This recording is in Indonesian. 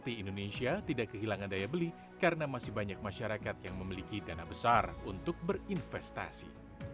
di indonesia tidak kehilangan daya beli karena masih banyak masyarakat yang memiliki dana besar untuk berinvestasi